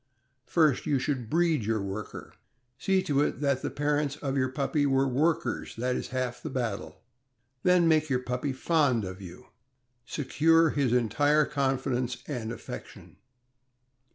First, you should breed your worker. See to it that the parents of your puppy were workers — that is half the battle; then make your puppy fond of you — secure his entire confidence and affection.